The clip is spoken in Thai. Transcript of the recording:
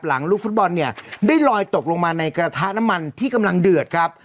ลูกฟุตบอลเนี่ยได้ลอยตกลงมาในกระทะน้ำมันที่กำลังเดือดครับ